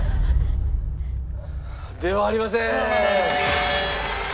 ではありません。